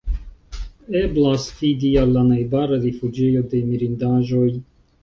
Eblas fidi al la najbara rifuĝejo de Mirindaĵoj.